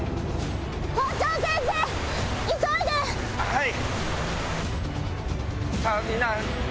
はい！